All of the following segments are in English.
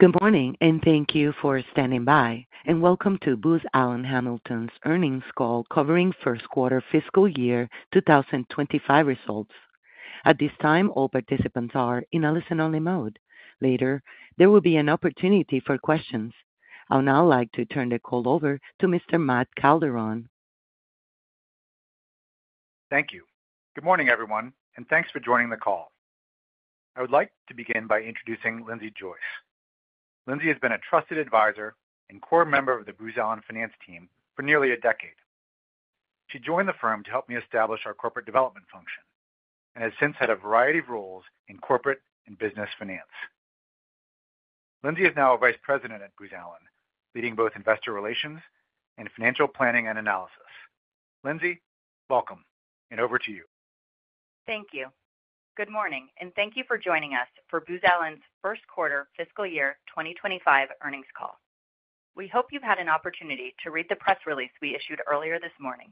Good morning, and thank you for standing by. Welcome to Booz Allen Hamilton's earnings call covering first quarter fiscal year 2025 results. At this time, all participants are in a listen-only mode. Later, there will be an opportunity for questions. I would now like to turn the call over to Mr. Matt Calderone. Thank you. Good morning, everyone, and thanks for joining the call. I would like to begin by introducing Lindsey Joyce. Lindsey has been a trusted advisor and core member of the Booz Allen finance team for nearly a decade. She joined the firm to help me establish our corporate development function and has since had a variety of roles in corporate and business finance. Lindsey is now a vice president at Booz Allen, leading both investor relations and financial planning and analysis. Lindsey, welcome, and over to you. Thank you. Good morning, and thank you for joining us for Booz Allen's first quarter fiscal year 2025 earnings call. We hope you've had an opportunity to read the press release we issued earlier this morning.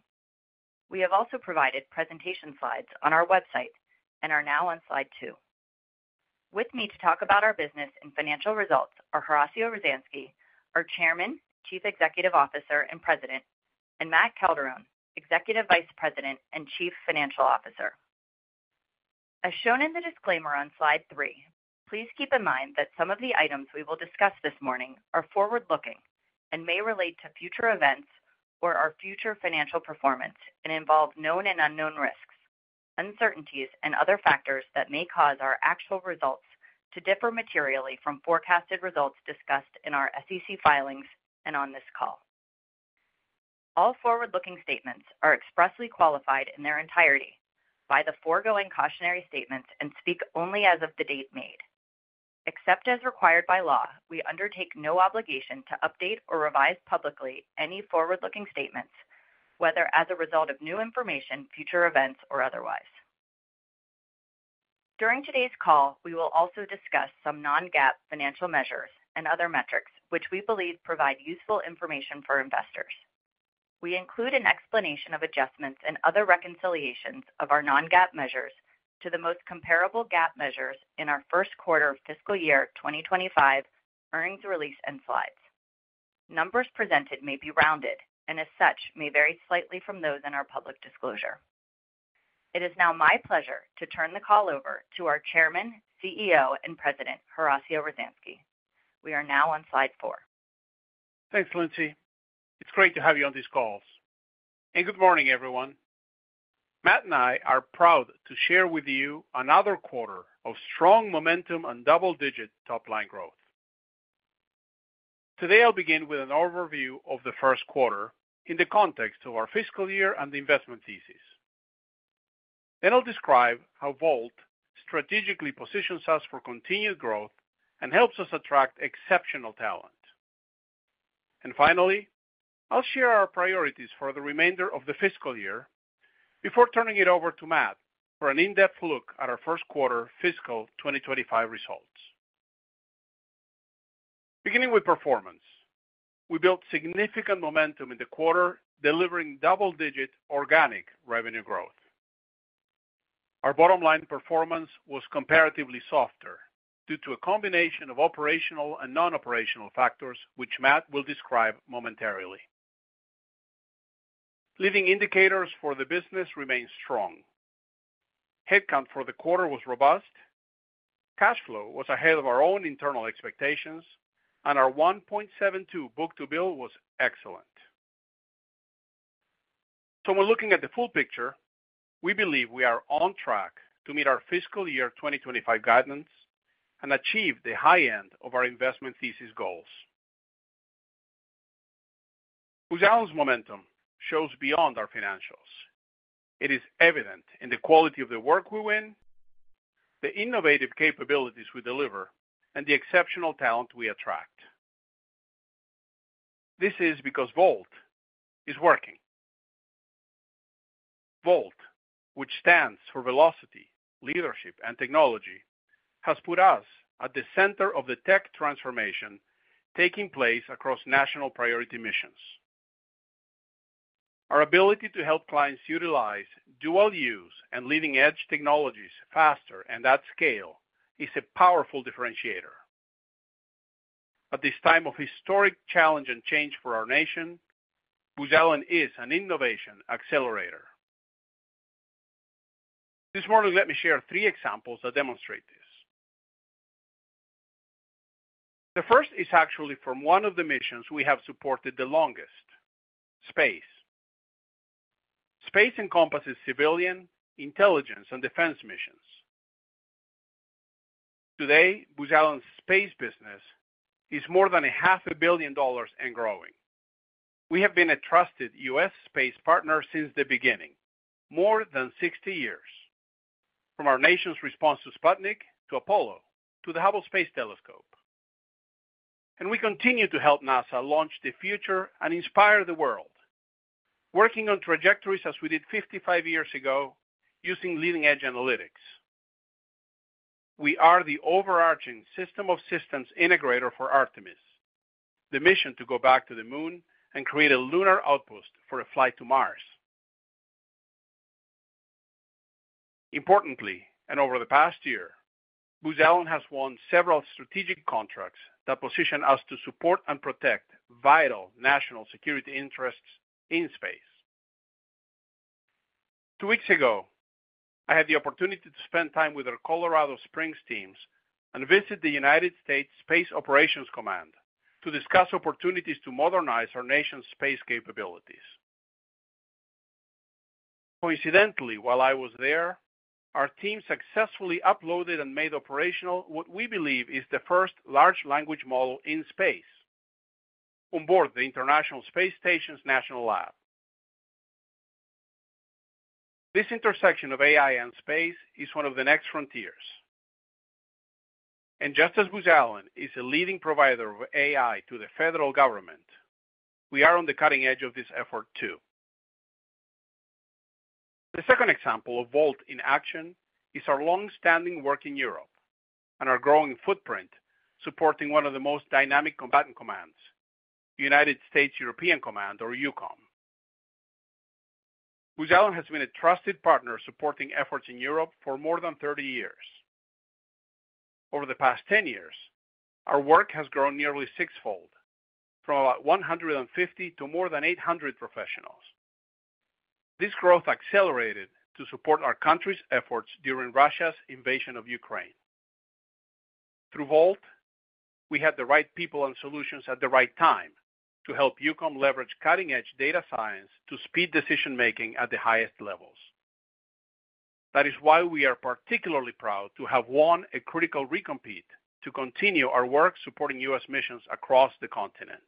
We have also provided presentation slides on our website and are now on slide two. With me to talk about our business and financial results are Horacio Rozanski, our Chairman, Chief Executive Officer, and President, and Matt Calderone, Executive Vice President and Chief Financial Officer. As shown in the disclaimer on slide three, please keep in mind that some of the items we will discuss this morning are forward-looking and may relate to future events or our future financial performance and involve known and unknown risks, uncertainties, and other factors that may cause our actual results to differ materially from forecasted results discussed in our SEC filings and on this call. All forward-looking statements are expressly qualified in their entirety by the foregoing cautionary statements and speak only as of the date made. Except as required by law, we undertake no obligation to update or revise publicly any forward-looking statements, whether as a result of new information, future events, or otherwise. During today's call, we will also discuss some non-GAAP financial measures and other metrics which we believe provide useful information for investors. We include an explanation of adjustments and other reconciliations of our non-GAAP measures to the most comparable GAAP measures in our first quarter fiscal year 2025 earnings release and slides. Numbers presented may be rounded and, as such, may vary slightly from those in our public disclosure. It is now my pleasure to turn the call over to our chairman, CEO, and president, Horacio Rozanski. We are now on slide 4. Thanks, Lindsey. It's great to have you on this call. Good morning, everyone. Matt and I are proud to share with you another quarter of strong momentum and double-digit top-line growth. Today, I'll begin with an overview of the first quarter in the context of our fiscal year and investment thesis. Then I'll describe how VoLT strategically positions us for continued growth and helps us attract exceptional talent. Finally, I'll share our priorities for the remainder of the fiscal year before turning it over to Matt for an in-depth look at our first quarter fiscal 2025 results. Beginning with performance, we built significant momentum in the quarter, delivering double-digit organic revenue growth. Our bottom-line performance was comparatively softer due to a combination of operational and non-operational factors, which Matt will describe momentarily. Leading indicators for the business remained strong. Headcount for the quarter was robust. Cash flow was ahead of our own internal expectations, and our 1.72 book-to-bill was excellent. So when looking at the full picture, we believe we are on track to meet our fiscal year 2025 guidance and achieve the high end of our investment thesis goals. Booz Allen's momentum shows beyond our financials. It is evident in the quality of the work we win, the innovative capabilities we deliver, and the exceptional talent we attract. This is because VoLT is working. VoLT, which stands for Velocity, Leadership, and Technology, has put us at the center of the tech transformation taking place across national priority missions. Our ability to help clients utilize dual-use and leading-edge technologies faster and at scale is a powerful differentiator. At this time of historic challenge and change for our nation, Booz Allen is an innovation accelerator. This morning, let me share three examples that demonstrate this. The first is actually from one of the missions we have supported the longest: space. Space encompasses civilian, intelligence, and defense missions. Today, Booz Allen's space business is more than $500 million and growing. We have been a trusted U.S. space partner since the beginning, more than 60 years, from our nation's response to Sputnik, to Apollo, to the Hubble Space Telescope. And we continue to help NASA launch the future and inspire the world, working on trajectories as we did 55 years ago using leading-edge analytics. We are the overarching system of systems integrator for Artemis, the mission to go back to the Moon and create a lunar outpost for a flight to Mars. Importantly, and over the past year, Booz Allen has won several strategic contracts that position us to support and protect vital national security interests in space. Two weeks ago, I had the opportunity to spend time with our Colorado Springs teams and visit the United States Space Operations Command to discuss opportunities to modernize our nation's space capabilities. Coincidentally, while I was there, our team successfully uploaded and made operational what we believe is the first large language model in space onboard the International Space Station's National Lab. This intersection of AI and space is one of the next frontiers. Just as Booz Allen is a leading provider of AI to the federal government, we are on the cutting edge of this effort too. The second example of VoLT in action is our long-standing work in Europe and our growing footprint supporting one of the most dynamic combatant commands, United States European Command, or EUCOM. Booz Allen has been a trusted partner supporting efforts in Europe for more than 30 years. Over the past 10 years, our work has grown nearly sixfold, from about 150 to more than 800 professionals. This growth accelerated to support our country's efforts during Russia's invasion of Ukraine. Through VoLT, we had the right people and solutions at the right time to help EUCOM leverage cutting-edge data science to speed decision-making at the highest levels. That is why we are particularly proud to have won a critical recompete to continue our work supporting U.S. missions across the continent.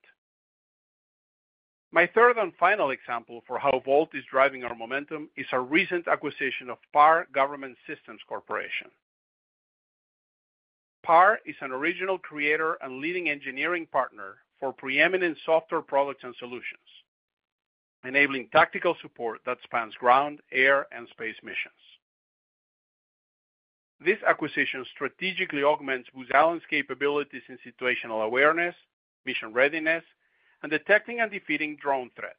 My third and final example for how VoLT is driving our momentum is our recent acquisition of PAR Government Systems Corporation. PAR is an original creator and leading engineering partner for preeminent software products and solutions, enabling tactical support that spans ground, air, and space missions. This acquisition strategically augments Booz Allen's capabilities in situational awareness, mission readiness, and detecting and defeating drone threats.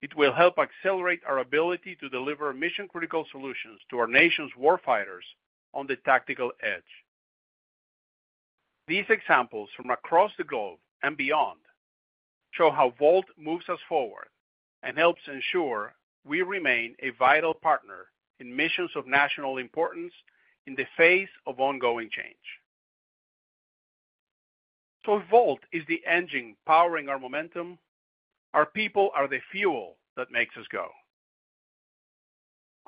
It will help accelerate our ability to deliver mission-critical solutions to our nation's warfighters on the tactical edge. These examples from across the globe and beyond show how VoLT moves us forward and helps ensure we remain a vital partner in missions of national importance in the face of ongoing change. So if VoLT is the engine powering our momentum, our people are the fuel that makes us go.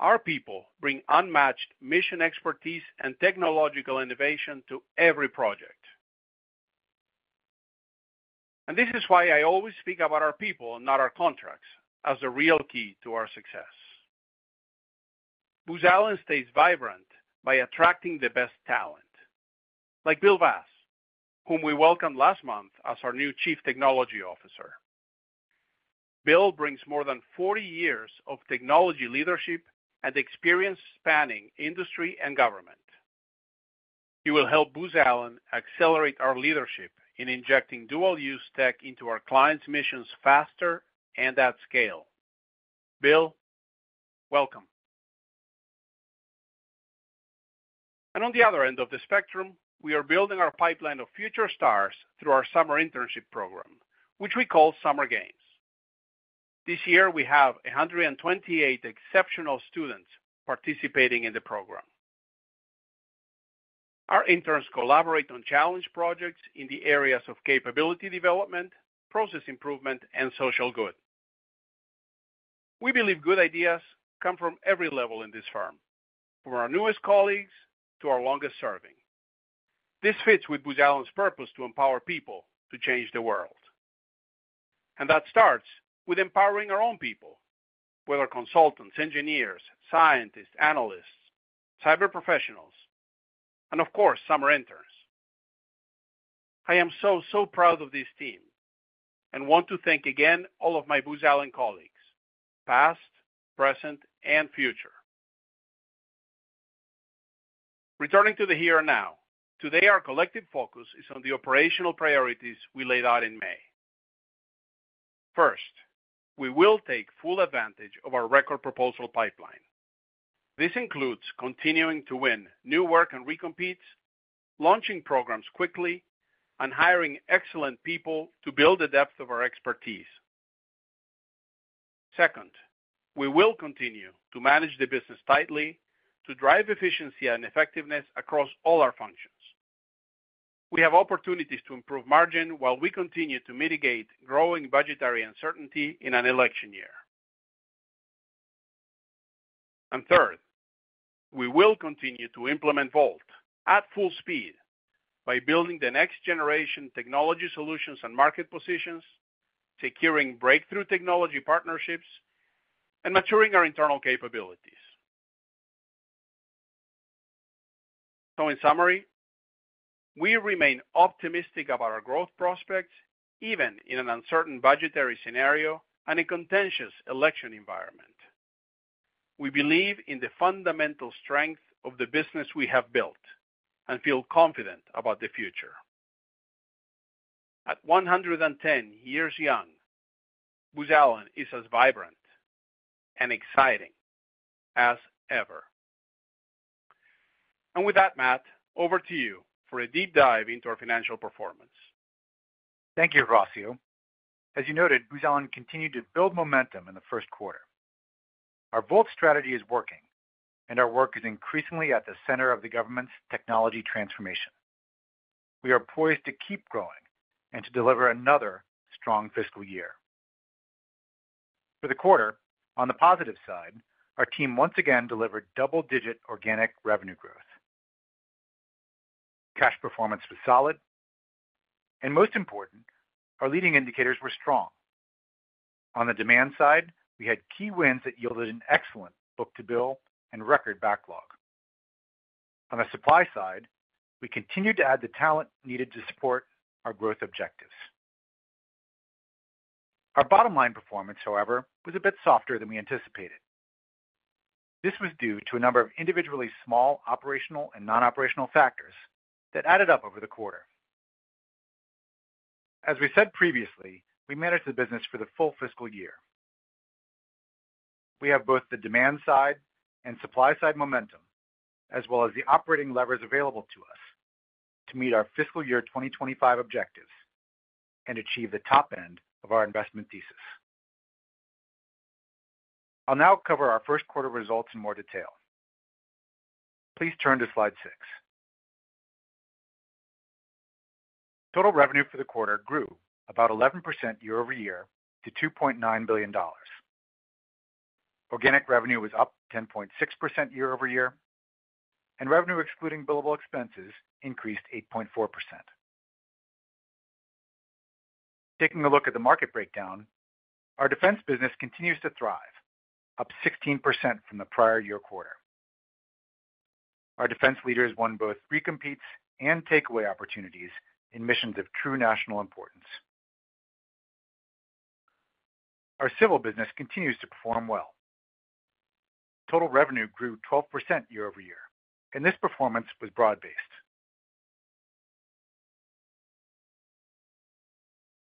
Our people bring unmatched mission expertise and technological innovation to every project. And this is why I always speak about our people and not our contracts as the real key to our success. Booz Allen stays vibrant by attracting the best talent, like Bill Vass, whom we welcomed last month as our new Chief Technology Officer. Bill brings more than 40 years of technology leadership and experience spanning industry and government. He will help Booz Allen accelerate our leadership in injecting dual-use tech into our clients' missions faster and at scale. Bill, welcome. On the other end of the spectrum, we are building our pipeline of future stars through our summer internship program, which we call Summer Games. This year, we have 128 exceptional students participating in the program. Our interns collaborate on challenge projects in the areas of capability development, process improvement, and social good. We believe good ideas come from every level in this firm, from our newest colleagues to our longest-serving. This fits with Booz Allen's purpose to empower people to change the world. That starts with empowering our own people, whether consultants, engineers, scientists, analysts, cyber professionals, and of course, summer interns. I am so, so proud of this team and want to thank again all of my Booz Allen colleagues, past, present, and future. Returning to the here and now, today our collective focus is on the operational priorities we laid out in May. First, we will take full advantage of our record proposal pipeline. This includes continuing to win new work and recompetes, launching programs quickly, and hiring excellent people to build the depth of our expertise. Second, we will continue to manage the business tightly to drive efficiency and effectiveness across all our functions. We have opportunities to improve margin while we continue to mitigate growing budgetary uncertainty in an election year. Third, we will continue to implement VoLT at full speed by building the next-generation technology solutions and market positions, securing breakthrough technology partnerships, and maturing our internal capabilities. In summary, we remain optimistic about our growth prospects even in an uncertain budgetary scenario and a contentious election environment. We believe in the fundamental strength of the business we have built and feel confident about the future. At 110 years young, Booz Allen is as vibrant and exciting as ever. And with that, Matt, over to you for a deep dive into our financial performance. Thank you, Horacio. As you noted, Booz Allen continued to build momentum in the first quarter. Our VoLT strategy is working, and our work is increasingly at the center of the government's technology transformation. We are poised to keep growing and to deliver another strong fiscal year. For the quarter, on the positive side, our team once again delivered double-digit organic revenue growth. Cash performance was solid. Most important, our leading indicators were strong. On the demand side, we had key wins that yielded an excellent book-to-bill and record backlog. On the supply side, we continued to add the talent needed to support our growth objectives. Our bottom-line performance, however, was a bit softer than we anticipated. This was due to a number of individually small operational and non-operational factors that added up over the quarter. As we said previously, we managed the business for the full fiscal year. We have both the demand side and supply side momentum, as well as the operating levers available to us to meet our fiscal year 2025 objectives and achieve the top end of our investment thesis. I'll now cover our first quarter results in more detail. Please turn to slide six. Total revenue for the quarter grew about 11% year-over-year to $2.9 billion. Organic revenue was up 10.6% year-over-year, and revenue excluding billable expenses increased 8.4%. Taking a look at the market breakdown, our defense business continues to thrive, up 16% from the prior-year quarter. Our defense leaders won both recompetes and takeaway opportunities in missions of true national importance. Our civil business continues to perform well. Total revenue grew 12% year-over-year, and this performance was broad-based.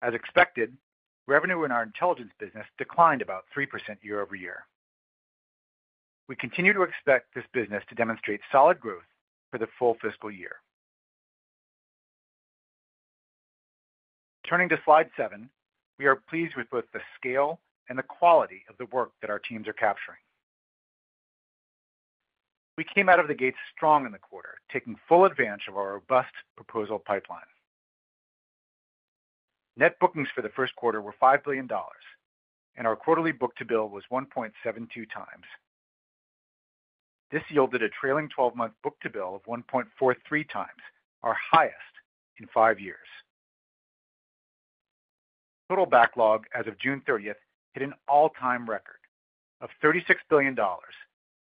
As expected, revenue in our intelligence business declined about 3% year-over-year. We continue to expect this business to demonstrate solid growth for the full fiscal year. Turning to slide seven, we are pleased with both the scale and the quality of the work that our teams are capturing. We came out of the gates strong in the quarter, taking full advantage of our robust proposal pipeline. Net bookings for the first quarter were $5 billion, and our quarterly book-to-bill was 1.72 times. This yielded a trailing 12-month book-to-bill of 1.43 times, our highest in five years. Total backlog as of June 30th hit an all-time record of $36 billion,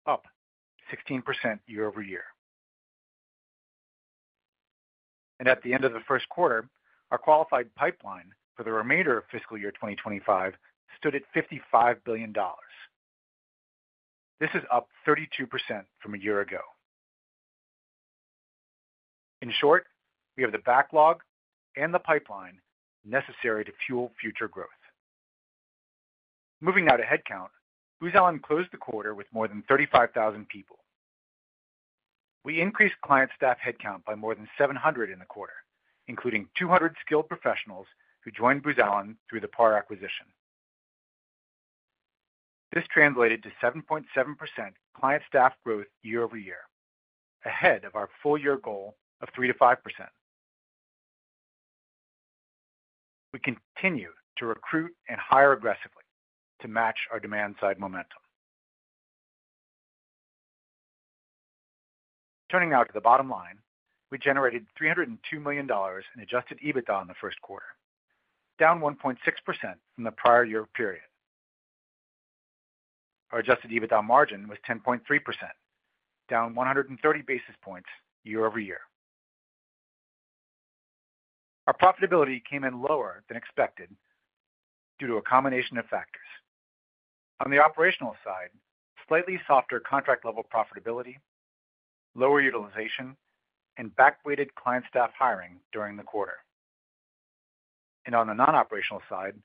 up 16% year-over-year. At the end of the first quarter, our qualified pipeline for the remainder of fiscal year 2025 stood at $55 billion. This is up 32% from a year ago. In short, we have the backlog and the pipeline necessary to fuel future growth. Moving now to headcount, Booz Allen closed the quarter with more than 35,000 people. We increased client staff headcount by more than 700 in the quarter, including 200 skilled professionals who joined Booz Allen through the PAR acquisition. This translated to 7.7% client staff growth year-over-year, ahead of our full-year goal of 3%-5%. We continue to recruit and hire aggressively to match our demand-side momentum. Turning now to the bottom line, we generated $302 million in Adjusted EBITDA in the first quarter, down 1.6% from the prior year period. Our Adjusted EBITDA margin was 10.3%, down 130 basis points year-over-year. Our profitability came in lower than expected due to a combination of factors. On the operational side, slightly softer contract-level profitability, lower utilization, and back-weighted client staff hiring during the quarter. On the non-operational side,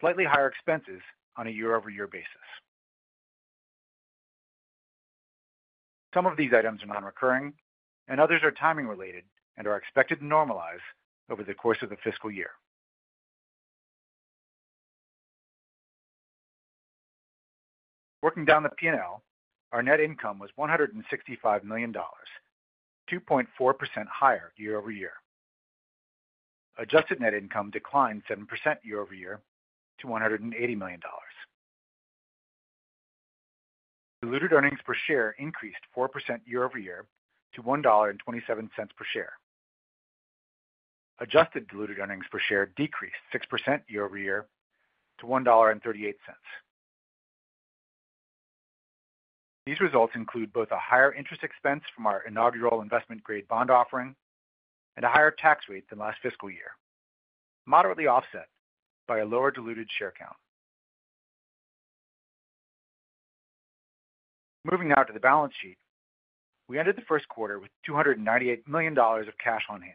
slightly higher expenses on a year-over-year basis. Some of these items are non-recurring, and others are timing-related and are expected to normalize over the course of the fiscal year. Working down the P&L, our net income was $165 million, up 2.4% higher year-over-year. Adjusted net income declined 7% year-over-year to $180 million. Diluted earnings per share increased 4% year-over-year to $1.27 per share. Adjusted diluted earnings per share decreased 6% year-over-year to $1.38. These results include both a higher interest expense from our inaugural investment-grade bond offering and a higher tax rate than last fiscal year, moderately offset by a lower diluted share count. Moving now to the balance sheet, we ended the first quarter with $298 million of cash on hand,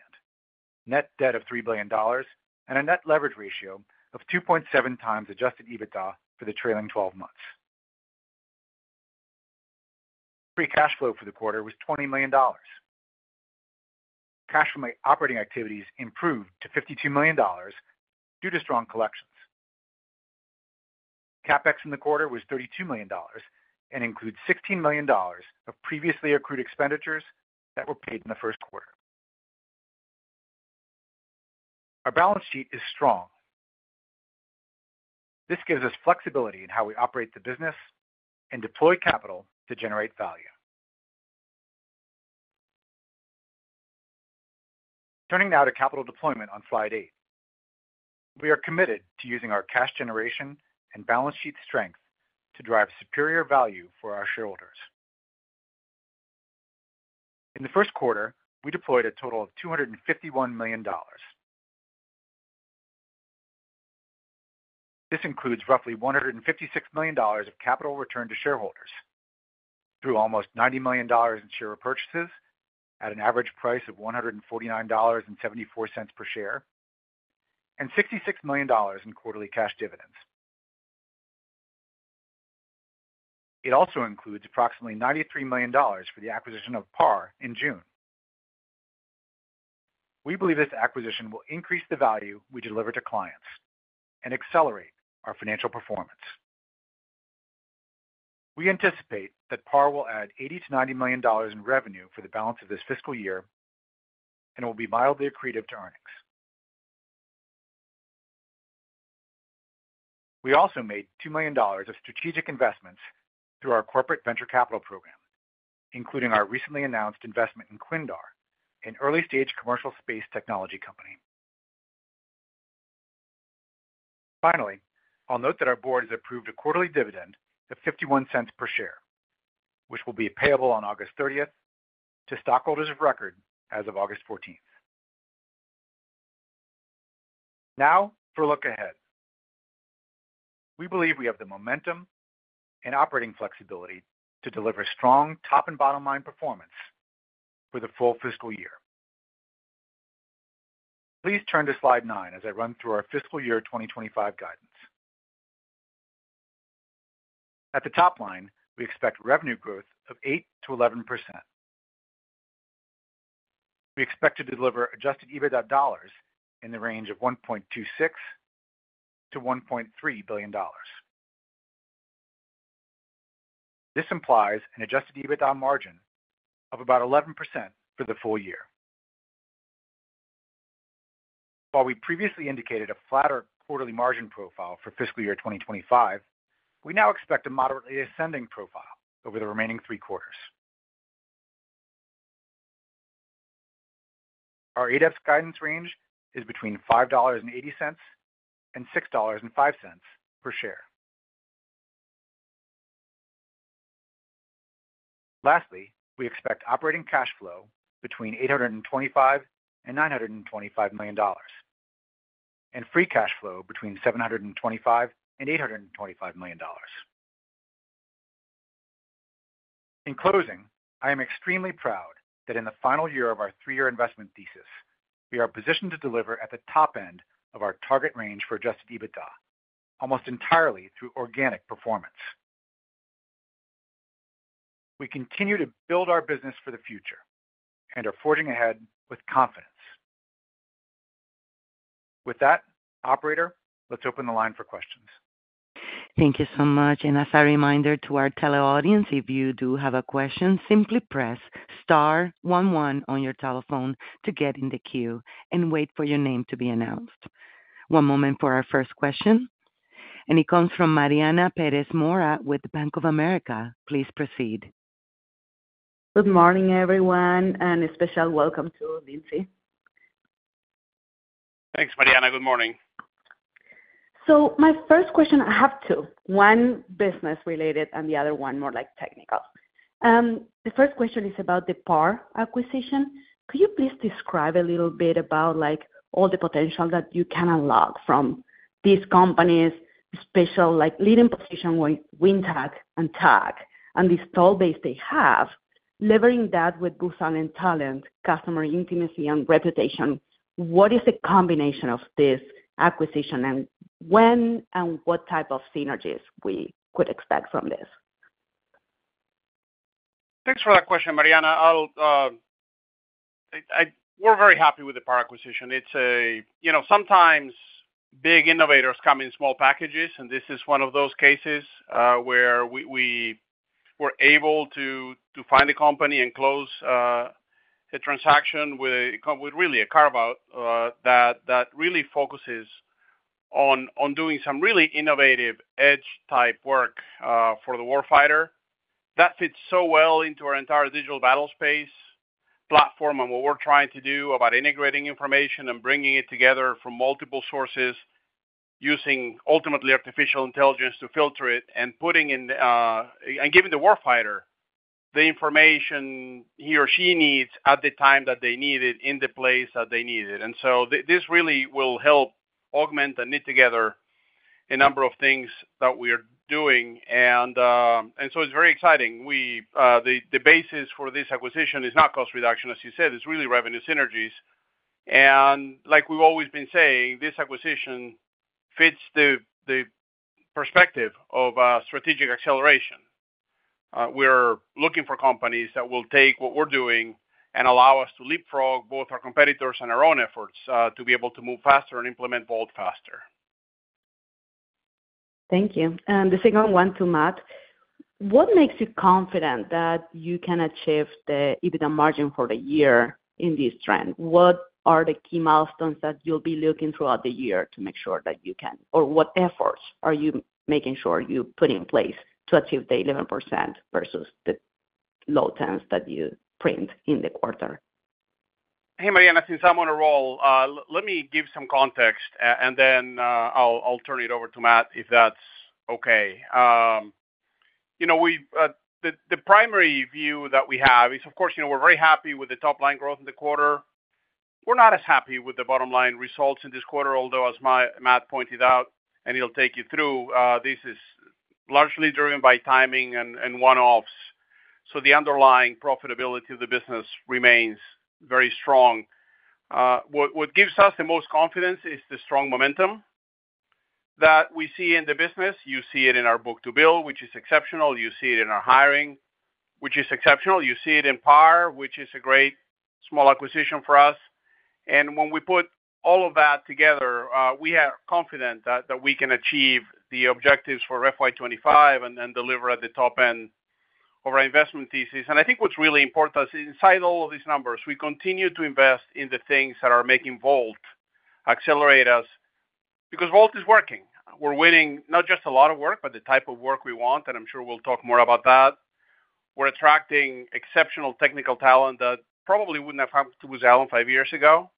net debt of $3 billion, and a net leverage ratio of 2.7x Adjusted EBITDA for the trailing 12 months. cash flow for the quarter was $20 million. Cash from operating activities improved to $52 million due to strong collections. CapEx in the quarter was $32 million and includes $16 million of previously accrued expenditures that were paid in the first quarter. Our balance sheet is strong. This gives us flexibility in how we operate the business and deploy capital to generate value. Turning now to capital deployment on slide eight, we are committed to using our cash generation and balance sheet strength to drive superior value for our shareholders. In the first quarter, we deployed a total of $251 million. This includes roughly $156 million of capital return to shareholders through almost $90 million in share purchases at an average price of $149.74 per share and $66 million in quarterly cash dividends. It also includes approximately $93 million for the acquisition of PAR in June. We believe this acquisition will increase the value we deliver to clients and accelerate our financial performance. We anticipate that PAR will add $80-$90 million in revenue for the balance of this fiscal year and will be mildly accretive to earnings. We also made $2 million of strategic investments through our corporate venture capital program, including our recently announced investment in Quindar, an early-stage commercial space technology company. Finally, I'll note that our board has approved a quarterly dividend of $0.51 per share, which will be payable on August 30th to stockholders of record as of August 14th. Now for a look ahead. We believe we have the momentum and operating flexibility to deliver strong top and bottom-line performance for the full fiscal year. Please turn to slide nine as I run through our fiscal year 2025 guidance. At the top line, we expect revenue growth of 8%-11%. We expect to deliver Adjusted EBITDA dollars in the range of $1.26-$1.3 billion. This implies an Adjusted EBITDA margin of about 11% for the full year. While we previously indicated a flatter quarterly margin profile for fiscal year 2025, we now expect a moderately ascending profile over the remaining three quarters. Our ADEPS guidance range is between $5.80 and $6.05 per share. Lastly, we expect operating cash flow between $825 and $925 million and free cash flow between $725 and $825 million. In closing, I am extremely proud that in the final year of our three-year investment thesis, we are positioned to deliver at the top end of our target range for Adjusted EBITDA almost entirely through organic performance. We continue to build our business for the future and are forging ahead with confidence. With that, operator, let's open the line for questions. Thank you so much. And as a reminder to our tele audience, if you do have a question, simply press star 11 on your telephone to get in the queue and wait for your name to be announced. One moment for our first question, and it comes from Mariana Perez Mora with Bank of America. Please proceed. Good morning, everyone, and a special welcome to Lindsey. Thanks, Mariana. Good morning. So my first question, I have two, one business-related and the other one more like technical. The first question is about the PAR acquisition. Could you please describe a little bit about all the potential that you can unlock from these companies, special leading position with WinTAK and TAK, and this talent base they have, leveraging that with Booz Allen Talent, customer intimacy, and reputation? What is the combination of this acquisition, and when and what type of synergies we could expect from this? Thanks for that question, Mariana. We're very happy with the PAR acquisition. Sometimes big innovators come in small packages, and this is one of those cases where we were able to find a company and close a transaction with really a carve-out that really focuses on doing some really innovative edge-type work for the warfighter. That fits so well into our entire Digital Battlespace platform and what we're trying to do about integrating information and bringing it together from multiple sources using ultimately artificial intelligence to filter it and giving the warfighter the information he or she needs at the time that they need it in the place that they need it. This really will help augment and knit together a number of things that we are doing. It's very exciting. The basis for this acquisition is not cost reduction, as you said. It's really revenue synergies. Like we've always been saying, this acquisition fits the perspective of strategic acceleration. We're looking for companies that will take what we're doing and allow us to leapfrog both our competitors and our own efforts to be able to move faster and implement VoLT faster. Thank you. The second one to Matt. What makes you confident that you can achieve the EBITDA margin for the year in this trend? What are the key milestones that you'll be looking throughout the year to make sure that you can, or what efforts are you making sure you put in place to achieve the 11% versus the low 10s that you print in the quarter? Hey, Mariana, since I'm on a roll, let me give some context, and then I'll turn it over to Matt if that's okay. The primary view that we have is, of course, we're very happy with the top-line growth in the quarter. We're not as happy with the bottom-line results in this quarter, although, as Matt pointed out, and he'll take you through, this is largely driven by timing and one-offs. So the underlying profitability of the business remains very strong. What gives us the most confidence is the strong momentum that we see in the business. You see it in our book-to-bill, which is exceptional. You see it in our hiring, which is exceptional. You see it in PAR, which is a great small acquisition for us. And when we put all of that together, we are confident that we can achieve the objectives for FY25 and then deliver at the top end of our investment thesis. And I think what's really important is, inside all of these numbers, we continue to invest in the things that are making VoLT accelerate us because VoLT is working. We're winning not just a lot of work, but the type of work we want, and I'm sure we'll talk more about that. We're attracting exceptional technical talent that probably wouldn't have come to Booz Allen five years ago.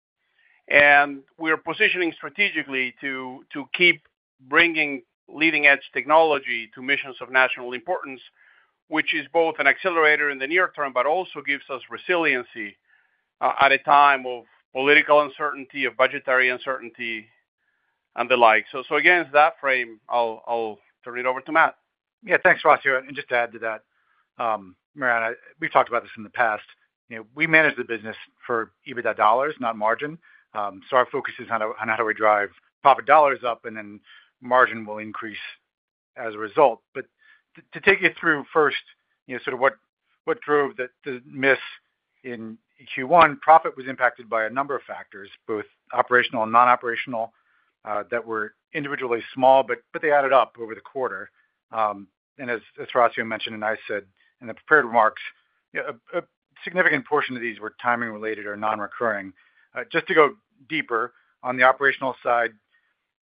And we are positioning strategically to keep bringing leading-edge technology to missions of national importance, which is both an accelerator in the near term, but also gives us resiliency at a time of political uncertainty, of budgetary uncertainty, and the like. So again, in that frame, I'll turn it over to Matt. Yeah, thanks, Horacio. Just to add to that, Mariana, we've talked about this in the past. We manage the business for EBITDA dollars, not margin. So our focus is on how do we drive profit dollars up, and then margin will increase as a result. But to take you through first, sort of what drove the miss in Q1, profit was impacted by a number of factors, both operational and non-operational, that were individually small, but they added up over the quarter. And as Horacio mentioned and I said in the prepared remarks, a significant portion of these were timing-related or non-recurring. Just to go deeper on the operational side,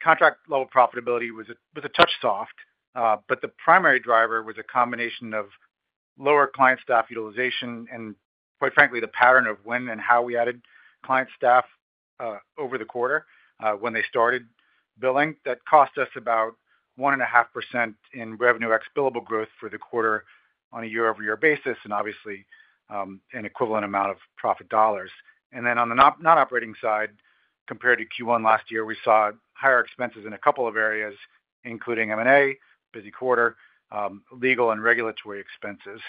contract-level profitability was a touch soft, but the primary driver was a combination of lower client staff utilization and, quite frankly, the pattern of when and how we added client staff over the quarter when they started billing. That cost us about 1.5% in revenue ex billable growth for the quarter on a year-over-year basis and obviously an equivalent amount of profit dollars. And then on the non-operating side, compared to Q1 last year, we saw higher expenses in a couple of areas, including M&A, busy quarter, legal and regulatory expenses.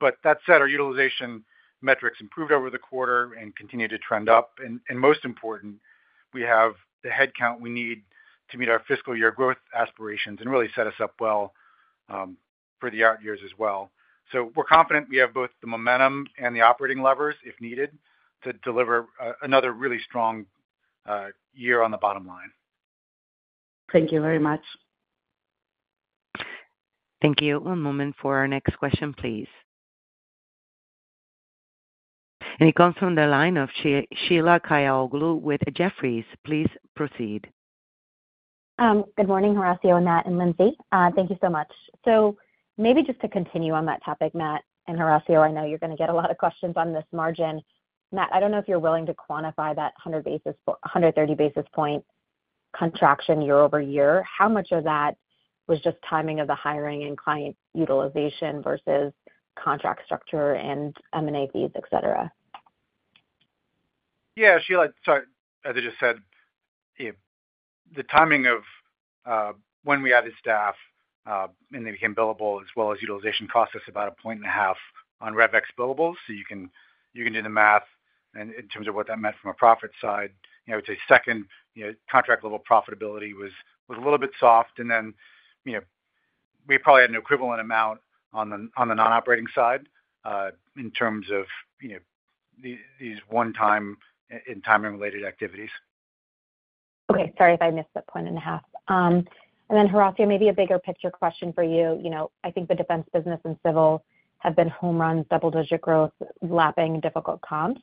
But that said, our utilization metrics improved over the quarter and continued to trend up. And most important, we have the headcount we need to meet our fiscal year growth aspirations and really set us up well for the years as well. So we're confident we have both the momentum and the operating levers, if needed, to deliver another really strong year on the bottom line. Thank you very much. Thank you. One moment for our next question, please. It comes from the line of Sheila Kahyaoglu with Jefferies. Please proceed. Good morning, Horacio, Matt, and Lindsey. Thank you so much. So maybe just to continue on that topic, Matt and Horacio, I know you're going to get a lot of questions on this margin. Matt, I don't know if you're willing to quantify that 130 basis point contraction year-over-year. How much of that was just timing of the hiring and client utilization versus contract structure and M&A fees, etc.? Yeah, Sheila, sorry. As I just said, the timing of when we added staff and they became billable as well as utilization cost us about 1.5 points on Rev ex-billable. So you can do the math in terms of what that meant from a profit side. I would say second, contract-level profitability was a little bit soft. And then we probably had an equivalent amount on the non-operating side in terms of these one-time and timing-related activities. Okay. Sorry if I missed that point and a half. And then, Horacio, maybe a bigger picture question for you. I think the defense business and civil have been home runs, double-digit growth, lapping difficult comps.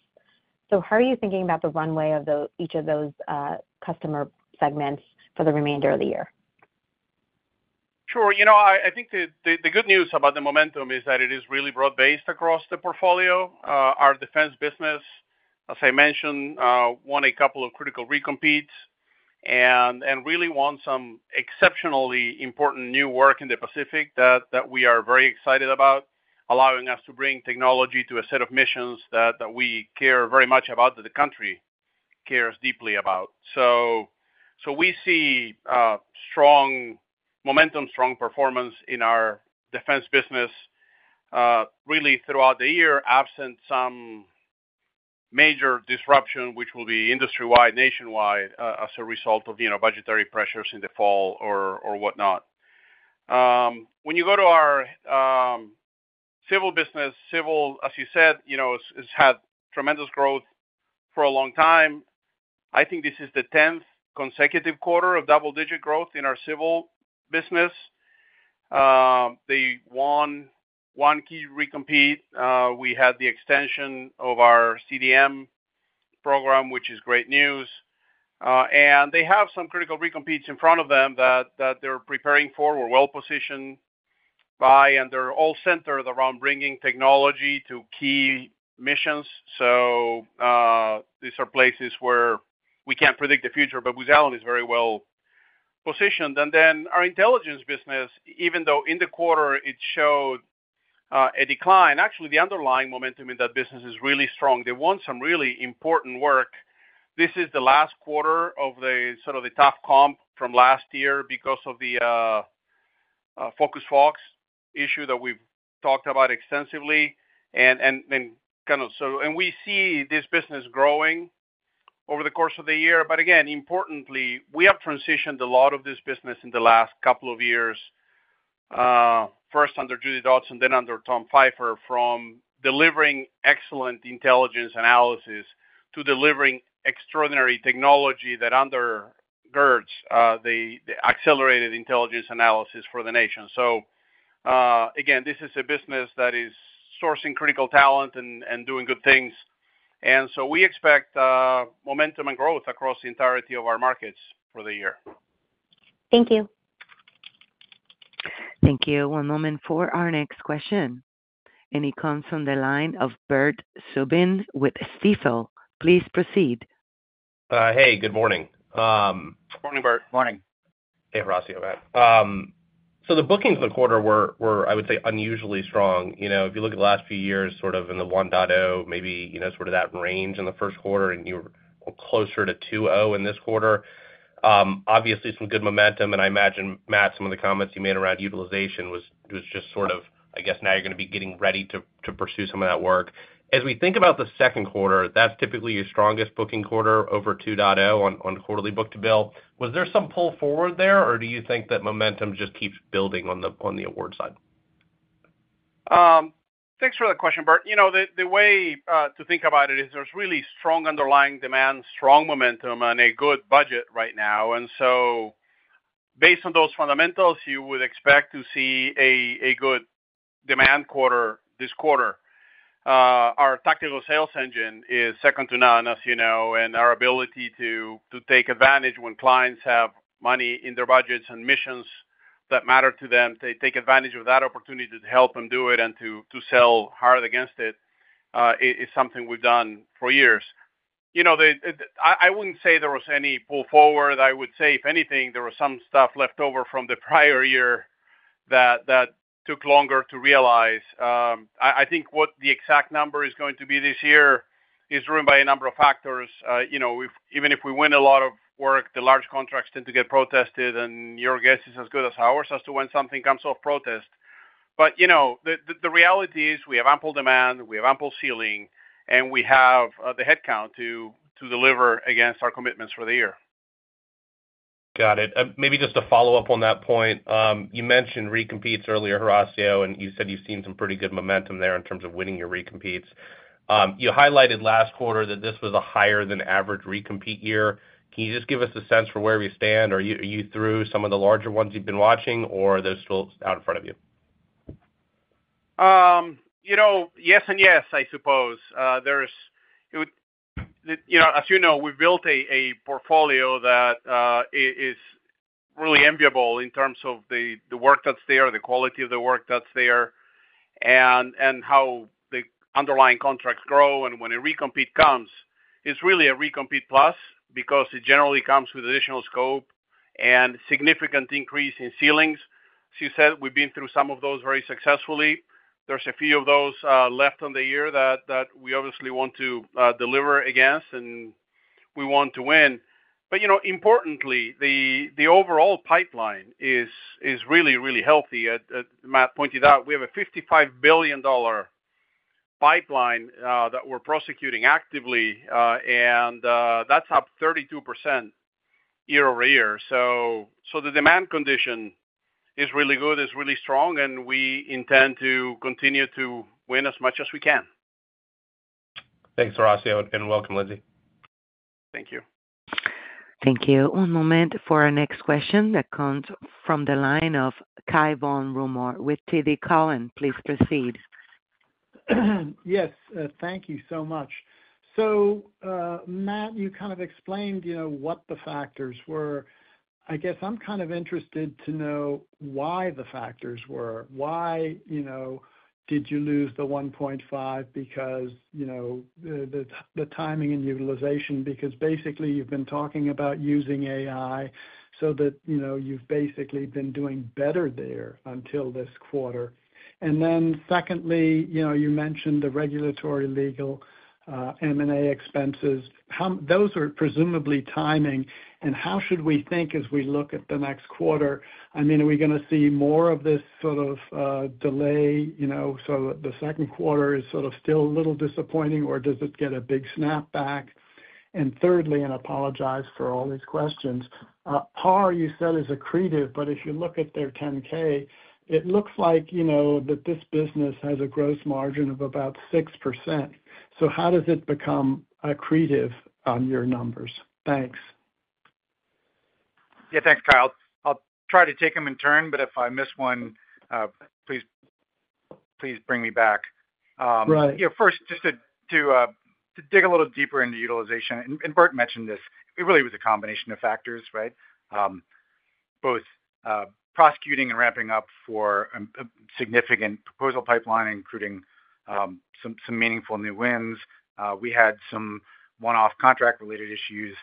So how are you thinking about the runway of each of those customer segments for the remainder of the year? Sure. I think the good news about the momentum is that it is really broad-based across the portfolio. Our defense business, as I mentioned, won a couple of critical recompetes and really won some exceptionally important new work in the Pacific that we are very excited about, allowing us to bring technology to a set of missions that we care very much about that the country cares deeply about. So we see strong momentum, strong performance in our defense business really throughout the year, absent some major disruption, which will be industry-wide, nationwide as a result of budgetary pressures in the fall or whatnot. When you go to our civil business, civil, as you said, has had tremendous growth for a long time. I think this is the 10th consecutive quarter of double-digit growth in our civil business. They won one key recompete. We had the extension of our CDM program, which is great news. They have some critical recompetes in front of them that they're preparing for. We're well-positioned by, and they're all centered around bringing technology to key missions. These are places where we can't predict the future, but Booz Allen is very well-positioned. Then our intelligence business, even though in the quarter it showed a decline, actually the underlying momentum in that business is really strong. They won some really important work. This is the last quarter of the sort of the tough comp from last year because of the Focus Fox issue that we've talked about extensively. We see this business growing over the course of the year. But again, importantly, we have transitioned a lot of this business in the last couple of years, first under Judi Dotson and then under Tom Pfeifer from delivering excellent intelligence analysis to delivering extraordinary technology that undergirds, the accelerated intelligence analysis for the nation. So again, this is a business that is sourcing critical talent and doing good things. And so we expect momentum and growth across the entirety of our markets for the year. Thank you. Thank you. One moment for our next question. It comes from the line of Bert Subin with Stifel. Please proceed. Hey, good morning. Good morning, Bert. Good morning. Hey, Horacio, Matt. So the bookings of the quarter were, I would say, unusually strong. If you look at the last few years, sort of in the 1.0, maybe sort of that range in the first quarter, and you were closer to 2.0 in this quarter. Obviously, some good momentum. And I imagine, Matt, some of the comments you made around utilization was just sort of, I guess, now you're going to be getting ready to pursue some of that work. As we think about the second quarter, that's typically your strongest booking quarter over 2.0 on quarterly book-to-bill. Was there some pull forward there, or do you think that momentum just keeps building on the award side? Thanks for that question, Bert. The way to think about it is there's really strong underlying demand, strong momentum, and a good budget right now. And so based on those fundamentals, you would expect to see a good demand quarter this quarter. Our tactical sales engine is second to none, as you know, and our ability to take advantage when clients have money in their budgets and missions that matter to them, to take advantage of that opportunity to help them do it and to sell hard against it is something we've done for years. I wouldn't say there was any pull forward. I would say, if anything, there was some stuff left over from the prior year that took longer to realize. I think what the exact number is going to be this year is driven by a number of factors. Even if we win a lot of work, the large contracts tend to get protested, and your guess is as good as ours as to when something comes off protest. But the reality is we have ample demand, we have ample ceiling, and we have the headcount to deliver against our commitments for the year. Got it. Maybe just to follow up on that point, you mentioned recompetes earlier, Horacio, and you said you've seen some pretty good momentum there in terms of winning your recompetes. You highlighted last quarter that this was a higher-than-average recompete year. Can you just give us a sense for where we stand? Are you through some of the larger ones you've been watching, or are those still out in front of you? Yes and yes, I suppose. As you know, we've built a portfolio that is really enviable in terms of the work that's there, the quality of the work that's there, and how the underlying contracts grow. And when a recompete comes, it's really a recompete plus because it generally comes with additional scope and significant increase in ceilings. As you said, we've been through some of those very successfully. There's a few of those left on the year that we obviously want to deliver against, and we want to win. But importantly, the overall pipeline is really, really healthy. Matt pointed out, we have a $55 billion pipeline that we're prosecuting actively, and that's up 32% year-over-year. So the demand condition is really good, is really strong, and we intend to continue to win as much as we can. Thanks, Horacio, and welcome, Lindsey. Thank you. Thank you. One moment for our next question that comes from the line of Cai von Rumohr with TD Cowen. Please proceed. Yes, thank you so much. So Matt, you kind of explained what the factors were. I guess I'm kind of interested to know why the factors were. Why did you lose the 1.5? Because the timing and utilization, because basically you've been talking about using AI so that you've basically been doing better there until this quarter. And then secondly, you mentioned the regulatory, legal, M&A expenses. Those are presumably timing. And how should we think as we look at the next quarter? I mean, are we going to see more of this sort of delay? So the second quarter is sort of still a little disappointing, or does it get a big snap back? And thirdly, I apologize for all these questions. PAR, you said, is accretive, but if you look at their 10-K, it looks like that this business has a gross margin of about 6%. So how does it become accretive on your numbers? Thanks. Yeah, thanks, Cai. I'll try to take them in turn, but if I miss one, please bring me back. First, just to dig a little deeper into utilization, and Bert mentioned this, it really was a combination of factors, right? Both prosecuting and ramping up for a significant proposal pipeline, including some meaningful new wins. We had some one-off contract-related issues,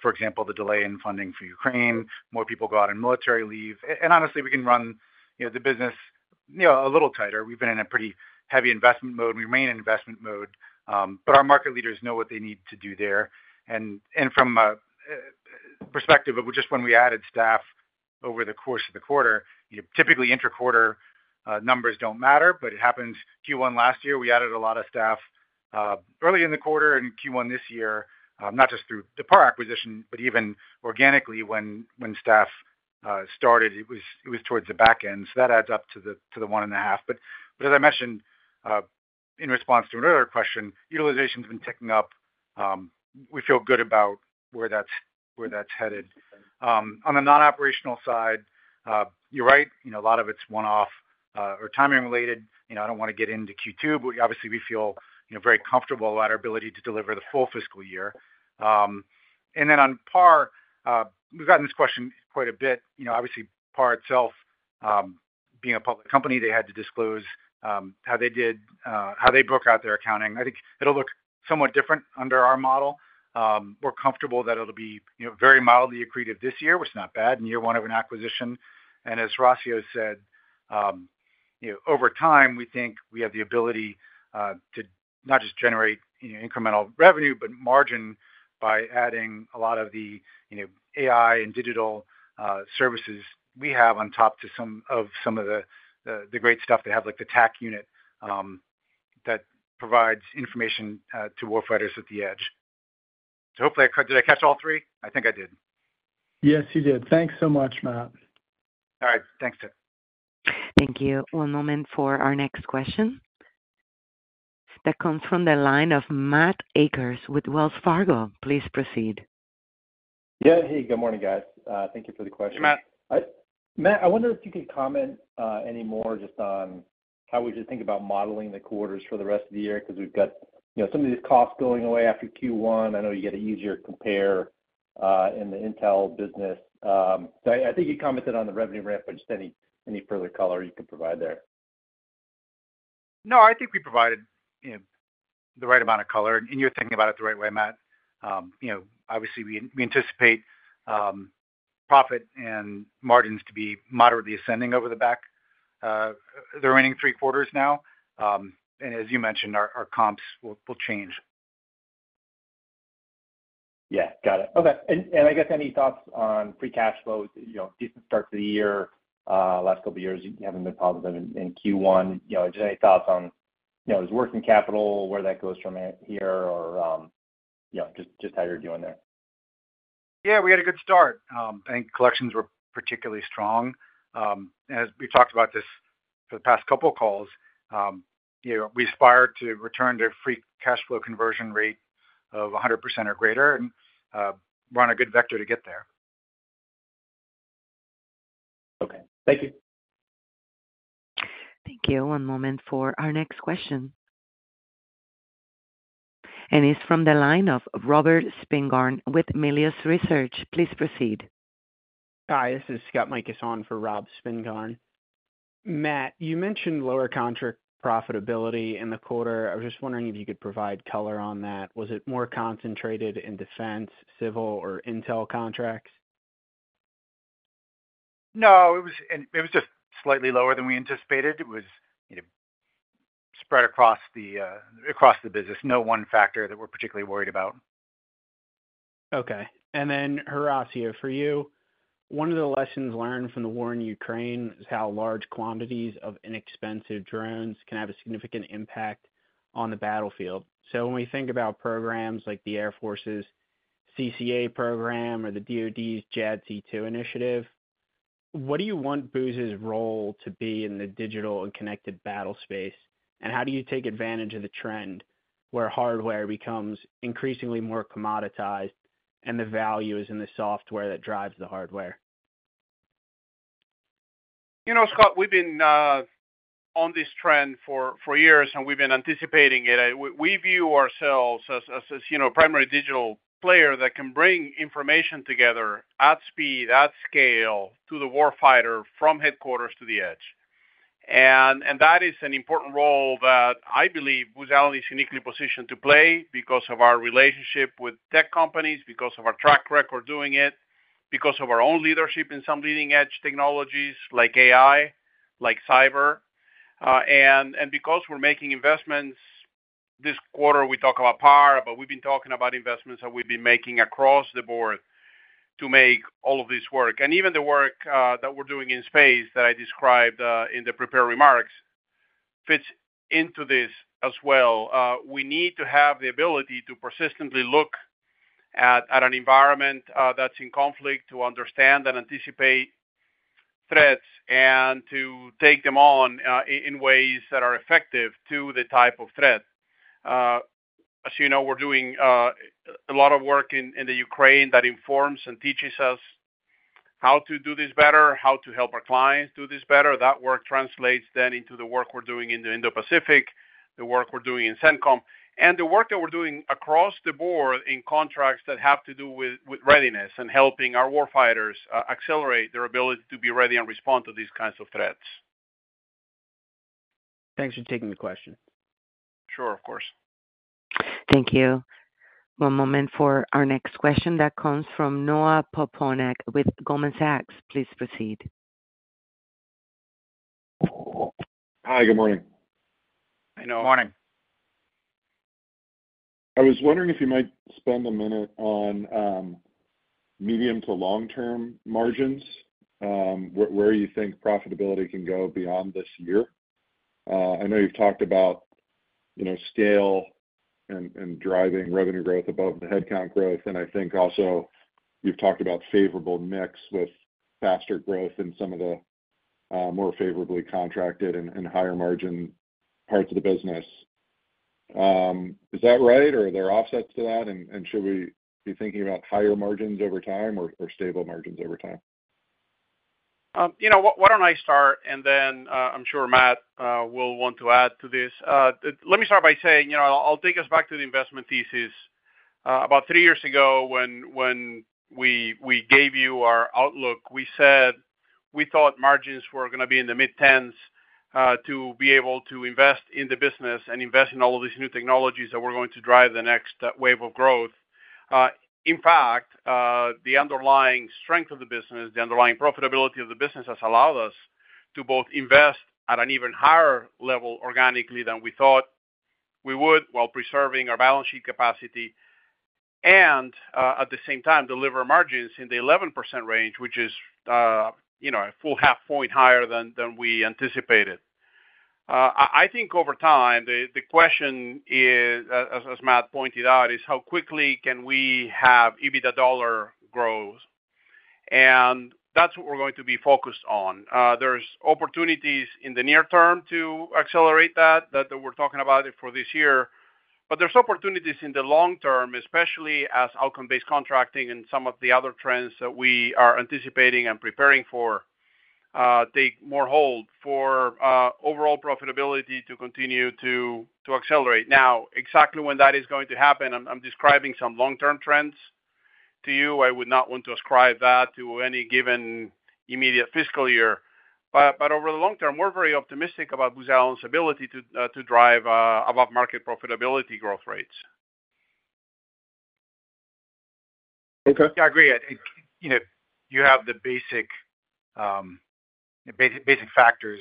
for example, the delay in funding for Ukraine, more people go out on military leave. And honestly, we can run the business a little tighter. We've been in a pretty heavy investment mode. We remain in investment mode, but our market leaders know what they need to do there. And from a perspective of just when we added staff over the course of the quarter, typically interquarter numbers don't matter, but it happens. Q1 last year, we added a lot of staff early in the quarter and Q1 this year, not just through the PAR acquisition, but even organically when staff started, it was towards the back end. So that adds up to the one and a half. But as I mentioned, in response to an earlier question, utilization has been ticking up. We feel good about where that's headed. On the non-operational side, you're right, a lot of it's one-off or timing-related. I don't want to get into Q2, but obviously we feel very comfortable about our ability to deliver the full fiscal year. And then on PAR, we've gotten this question quite a bit. Obviously, PAR itself, being a public company, they had to disclose how they did, how they broke out their accounting. I think it'll look somewhat different under our model. We're comfortable that it'll be very mildly accretive this year, which is not bad in year one of an acquisition. And as Horacio said, over time, we think we have the ability to not just generate incremental revenue, but margin by adding a lot of the AI and digital services we have on top of some of the great stuff they have, like the TAK unit that provides information to warfighters at the edge. So hopefully, did I catch all three? I think I did. Yes, you did. Thanks so much, Matt. All right. Thanks, Cai. Thank you. One moment for our next question that comes from the line of Matt Akers with Wells Fargo. Please proceed. Yeah. Hey, good morning, guys. Thank you for the question. Hey, Matt. Matt, I wonder if you could comment any more just on how we should think about modeling the quarters for the rest of the year because we've got some of these costs going away after Q1. I know you get an easier compare in the intel business. So I think you commented on the revenue ramp, but just any further color you could provide there. No, I think we provided the right amount of color. You're thinking about it the right way, Matt. Obviously, we anticipate profit and margins to be moderately ascending over the back of the remaining three quarters now. As you mentioned, our comps will change. Yeah. Got it. Okay. I guess any thoughts on free cash flow, decent start to the year? Last couple of years, you haven't been positive in Q1. Just any thoughts on working capital, where that goes from here, or just how you're doing there? Yeah, we had a good start. I think collections were particularly strong. As we talked about this for the past couple of calls, we aspire to return to a free cash flow conversion rate of 100% or greater and run a good vector to get there. Okay. Thank you. Thank you. One moment for our next question. It's from the line of Robert Spingarn with Melius Research. Please proceed. Hi, this is Scott Mikus for Rob Spingarn. Matt, you mentioned lower contract profitability in the quarter. I was just wondering if you could provide color on that. Was it more concentrated in defense, civil, or intel contracts? No, it was just slightly lower than we anticipated. It was spread across the business. No one factor that we're particularly worried about. Okay. And then, Horacio, for you, one of the lessons learned from the war in Ukraine is how large quantities of inexpensive drones can have a significant impact on the battlefield. So when we think about programs like the Air Force's CCA program or the DoD's JADC2 initiative, what do you want Booz's role to be in the digital and connected battle space? And how do you take advantage of the trend where hardware becomes increasingly more commoditized and the value is in the software that drives the hardware? You know, Scott, we've been on this trend for years, and we've been anticipating it. We view ourselves as a primary digital player that can bring information together at speed, at scale, to the warfighter from headquarters to the edge. And that is an important role that I believe Booz Allen is uniquely positioned to play because of our relationship with tech companies, because of our track record doing it, because of our own leadership in some leading-edge technologies like AI, like cyber. And because we're making investments, this quarter we talk about PAR, but we've been talking about investments that we've been making across the board to make all of this work. And even the work that we're doing in space that I described in the prepared remarks fits into this as well. We need to have the ability to persistently look at an environment that's in conflict to understand and anticipate threats and to take them on in ways that are effective to the type of threat. As you know, we're doing a lot of work in the Ukraine that informs and teaches us how to do this better, how to help our clients do this better. That work translates then into the work we're doing in the Indo-Pacific, the work we're doing in CENTCOM, and the work that we're doing across the board in contracts that have to do with readiness and helping our warfighters accelerate their ability to be ready and respond to these kinds of threats. Thanks for taking the question. Sure, of course. Thank you. One moment for our next question that comes from Noah Poponak with Goldman Sachs. Please proceed. Hi, good morning. Hi, Noah. Good morning. I was wondering if you might spend a minute on medium to long-term margins, where you think profitability can go beyond this year. I know you've talked about scale and driving revenue growth above the headcount growth, and I think also you've talked about favorable mix with faster growth in some of the more favorably contracted and higher margin parts of the business. Is that right, or are there offsets to that? And should we be thinking about higher margins over time or stable margins over time? Why don't I start, and then I'm sure Matt will want to add to this. Let me start by saying I'll take us back to the investment thesis. About three years ago, when we gave you our outlook, we said we thought margins were going to be in the mid-tens to be able to invest in the business and invest in all of these new technologies that were going to drive the next wave of growth. In fact, the underlying strength of the business, the underlying profitability of the business has allowed us to both invest at an even higher level organically than we thought we would while preserving our balance sheet capacity and, at the same time, deliver margins in the 11% range, which is a full half point higher than we anticipated. I think over time, the question, as Matt pointed out, is how quickly can we have EBITDA growth? And that's what we're going to be focused on. There's opportunities in the near term to accelerate that, that we're talking about for this year. But there's opportunities in the long term, especially as outcome-based contracting and some of the other trends that we are anticipating and preparing for take more hold for overall profitability to continue to accelerate. Now, exactly when that is going to happen, I'm describing some long-term trends to you. I would not want to ascribe that to any given immediate fiscal year. But over the long term, we're very optimistic about Booz Allen's ability to drive above-market profitability growth rates. Okay. Yeah, I agree. You have the basic factors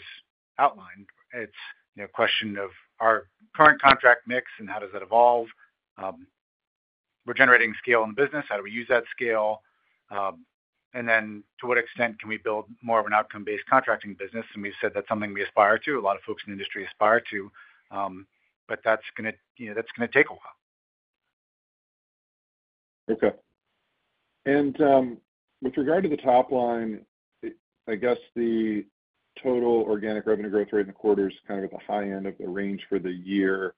outlined. It's a question of our current contract mix and how does that evolve. We're generating scale in the business. How do we use that scale? And then to what extent can we build more of an outcome-based contracting business? And we've said that's something we aspire to. A lot of folks in the industry aspire to, but that's going to take a while. Okay. With regard to the top line, I guess the total organic revenue growth rate in the quarter is kind of at the high end of the range for the year.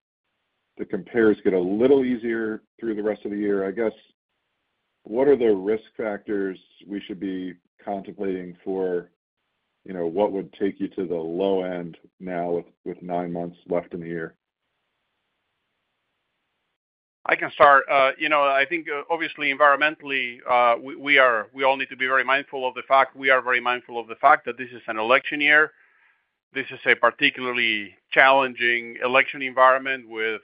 The compares get a little easier through the rest of the year. I guess, what are the risk factors we should be contemplating for what would take you to the low end now with nine months left in the year? I can start. I think, obviously, environmentally, we all need to be very mindful of the fact we are very mindful of the fact that this is an election year. This is a particularly challenging election environment with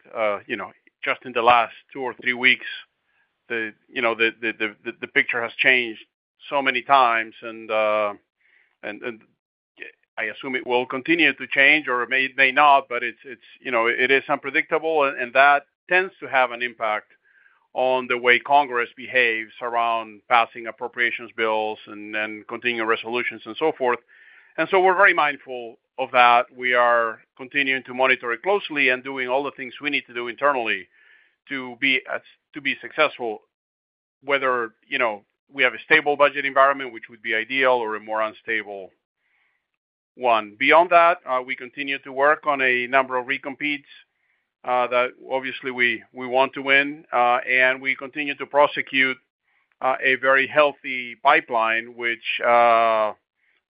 just in the last two or three weeks, the picture has changed so many times. And I assume it will continue to change or it may not, but it is unpredictable, and that tends to have an impact on the way Congress behaves around passing appropriations bills and continuing resolutions and so forth. And so we're very mindful of that. We are continuing to monitor it closely and doing all the things we need to do internally to be successful, whether we have a stable budget environment, which would be ideal, or a more unstable one. Beyond that, we continue to work on a number of recompetes that obviously we want to win. We continue to prosecute a very healthy pipeline, which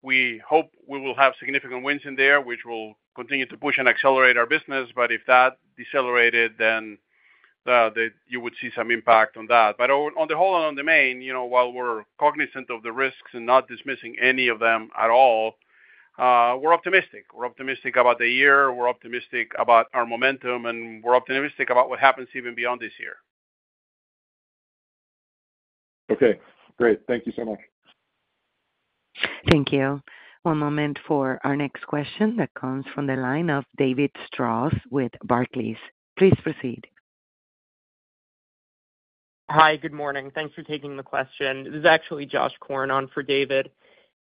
we hope we will have significant wins in there, which will continue to push and accelerate our business. If that decelerated, then you would see some impact on that. On the whole and on the main, while we're cognizant of the risks and not dismissing any of them at all, we're optimistic. We're optimistic about the year. We're optimistic about our momentum, and we're optimistic about what happens even beyond this year. Okay. Great. Thank you so much. Thank you. One moment for our next question that comes from the line of David Strauss with Barclays. Please proceed. Hi, good morning. Thanks for taking the question. This is actually Josh Korn on for David.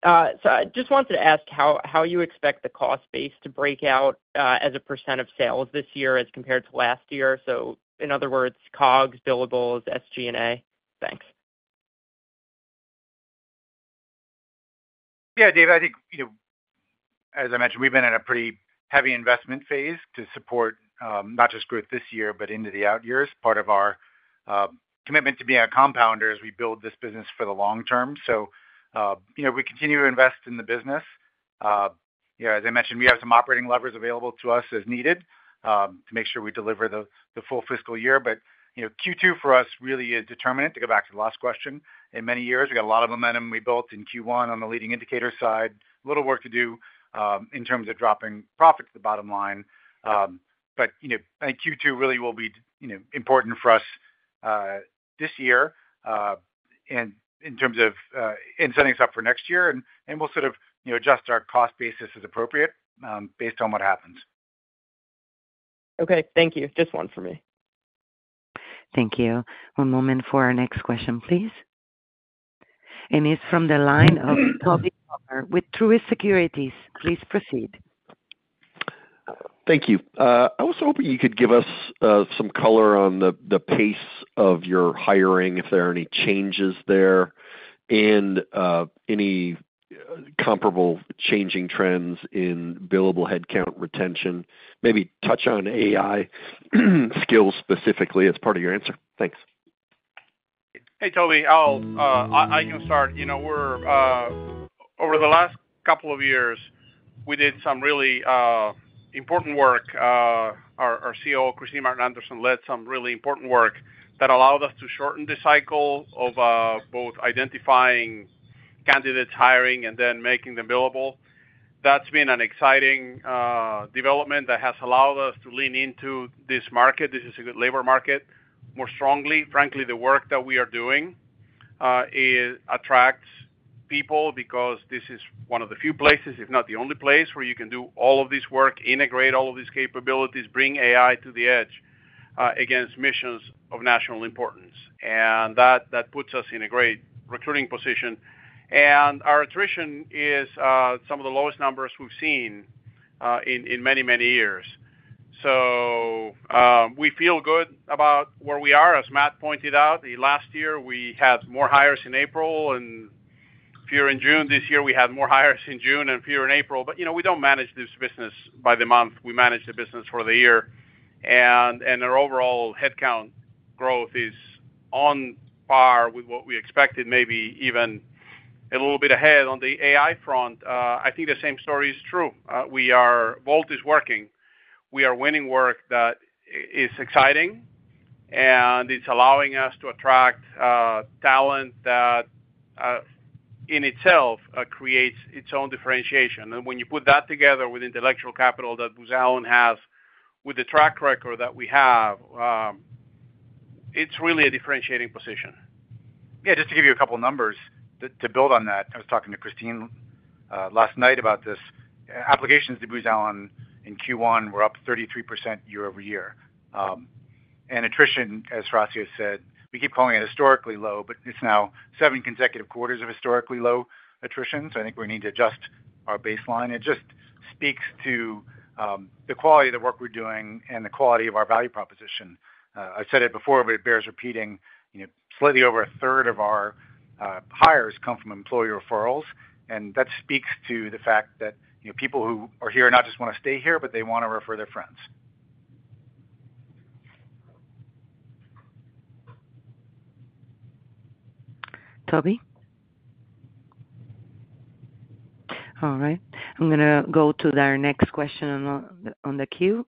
So I just wanted to ask how you expect the cost base to break out as a % of sales this year as compared to last year. So in other words, COGS, billables, SG&A. Thanks. Yeah, David, I think, as I mentioned, we've been in a pretty heavy investment phase to support not just growth this year, but into the out years. Part of our commitment to being a compounder is we build this business for the long term. So we continue to invest in the business. As I mentioned, we have some operating levers available to us as needed to make sure we deliver the full fiscal year. But Q2 for us really is determinant to go back to the last question. In many years, we got a lot of momentum we built in Q1 on the leading indicator side. A little work to do in terms of dropping profit to the bottom line. But I think Q2 really will be important for us this year in terms of setting us up for next year. We'll sort of adjust our cost basis as appropriate based on what happens. Okay. Thank you. Just one for me. Thank you. One moment for our next question, please. And it's from the line of Tobey Sommer with Truist Securities. Please proceed. Thank you. I was hoping you could give us some color on the pace of your hiring, if there are any changes there, and any comparable changing trends in billable headcount retention. Maybe touch on AI skills specifically as part of your answer. Thanks. Hey, Tobey, I can start. Over the last couple of years, we did some really important work. Our COO, Kristine Martin Anderson, led some really important work that allowed us to shorten the cycle of both identifying candidates, hiring, and then making them billable. That's been an exciting development that has allowed us to lean into this market. This is a good labor market more strongly. Frankly, the work that we are doing attracts people because this is one of the few places, if not the only place, where you can do all of this work, integrate all of these capabilities, bring AI to the edge against missions of national importance. And that puts us in a great recruiting position. And our attrition is some of the lowest numbers we've seen in many, many years. So we feel good about where we are, as Matt pointed out. Last year, we had more hires in April, and fewer in June. This year, we had more hires in June and fewer in April. But we don't manage this business by the month. We manage the business for the year. And our overall headcount growth is on par with what we expected, maybe even a little bit ahead on the AI front. I think the same story is true. Booz is working. We are winning work that is exciting, and it's allowing us to attract talent that in itself creates its own differentiation. And when you put that together with intellectual capital that Booz Allen has with the track record that we have, it's really a differentiating position. Yeah, just to give you a couple of numbers to build on that, I was talking to Kristine last night about this. Applications to Booz Allen in Q1 were up 33% year-over-year. Attrition, as Horacio said, we keep calling it historically low, but it's now seven consecutive quarters of historically low attrition. I think we need to adjust our baseline. It just speaks to the quality of the work we're doing and the quality of our value proposition. I've said it before, but it bears repeating. Slightly over a third of our hires come from employee referrals, and that speaks to the fact that people who are here not just want to stay here, but they want to refer their friends. Tobey? All right. I'm going to go to our next question on the queue.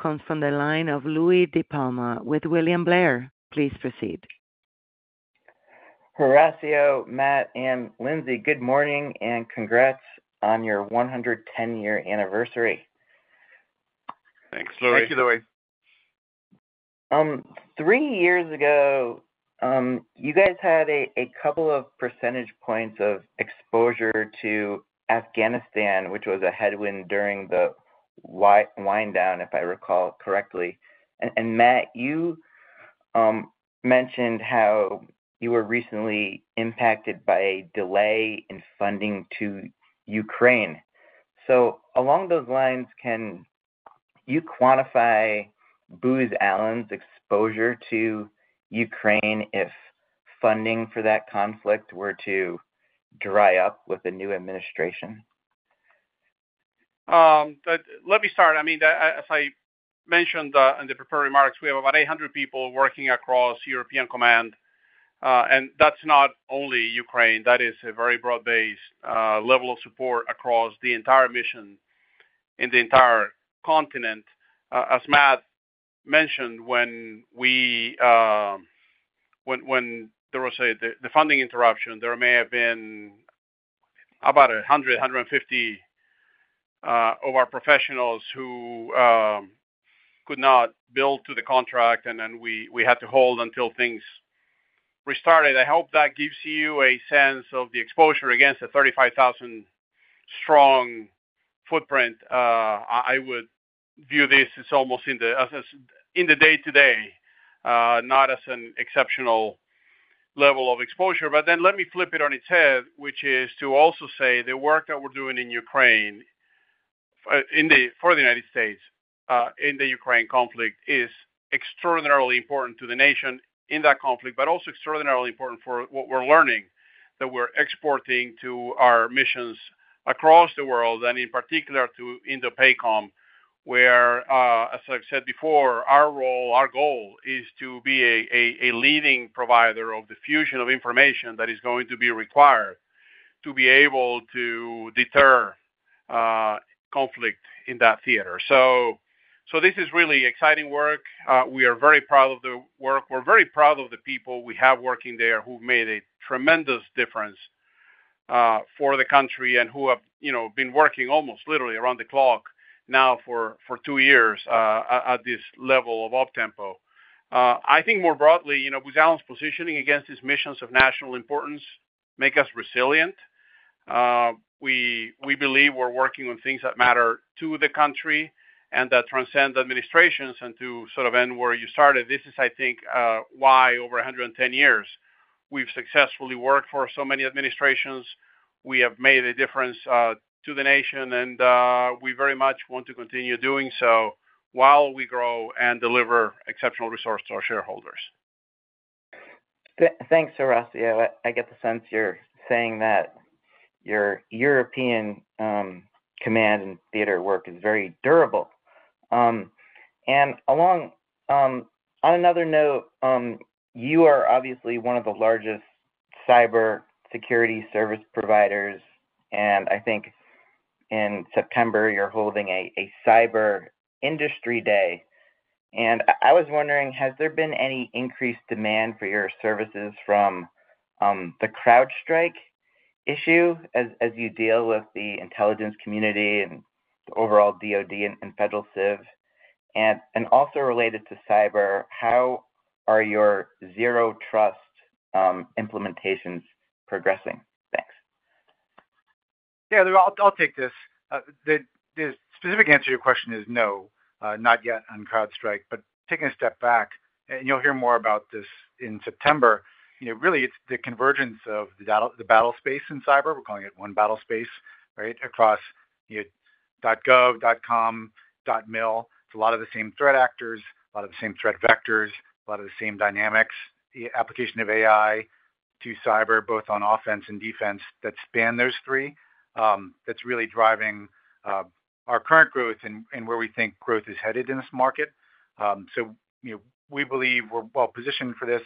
Comes from the line of Louie DiPalma with William Blair. Please proceed. Horacio, Matt, and Lindsey, good morning and congrats on your 110-year anniversary. Thanks, Louie. Thank you, Louie. Three years ago, you guys had a couple of percentage points of exposure to Afghanistan, which was a headwind during the wind down, if I recall correctly. Matt, you mentioned how you were recently impacted by a delay in funding to Ukraine. Along those lines, can you quantify Booz Allen's exposure to Ukraine if funding for that conflict were to dry up with a new administration? Let me start. I mean, as I mentioned in the prepared remarks, we have about 800 people working across European Command. That's not only Ukraine. That is a very broad-based level of support across the entire mission in the entire continent. As Matt mentioned, when there was the funding interruption, there may have been about 100-150 of our professionals who could not bill to the contract, and then we had to hold until things restarted. I hope that gives you a sense of the exposure against a 35,000-strong footprint. I would view this as almost in the day-to-day, not as an exceptional level of exposure. But then let me flip it on its head, which is to also say the work that we're doing in Ukraine for the United States in the Ukraine conflict is extraordinarily important to the nation in that conflict, but also extraordinarily important for what we're learning that we're exporting to our missions across the world, and in particular to INDOPACOM, where, as I've said before, our role, our goal is to be a leading provider of the fusion of information that is going to be required to be able to deter conflict in that theater. So this is really exciting work. We are very proud of the work. We're very proud of the people we have working there who've made a tremendous difference for the country and who have been working almost literally around the clock now for two years at this level of OPTEMPO. I think more broadly, Booz Allen's positioning against these missions of national importance makes us resilient. We believe we're working on things that matter to the country and that transcend administrations. And to sort of end where you started, this is, I think, why over 110 years we've successfully worked for so many administrations. We have made a difference to the nation, and we very much want to continue doing so while we grow and deliver exceptional resources to our shareholders. Thanks, Horacio. I get the sense you're saying that your European command and theater work is very durable. And on another note, you are obviously one of the largest cybersecurity service providers. And I think in September, you're holding a Cyber Industry Day. And I was wondering, has there been any increased demand for your services from the CrowdStrike issue as you deal with the intelligence community and the overall DoD and Federal Civ? And also related to cyber, how are your zero trust implementations progressing? Thanks. Yeah, I'll take this. The specific answer to your question is no, not yet on CrowdStrike. But taking a step back, and you'll hear more about this in September, really, it's the convergence of the battlespace in cyber. We're calling it one battlespace, right, across .gov, .com, .mil. It's a lot of the same threat actors, a lot of the same threat vectors, a lot of the same dynamics, application of AI to cyber, both on offense and defense that span those three. That's really driving our current growth and where we think growth is headed in this market. So we believe we're well positioned for this.